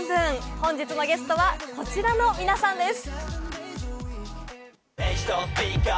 本日のゲストはこちらの皆さんです。